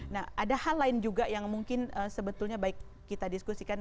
nah ada hal lain juga yang mungkin sebetulnya baik kita diskusikan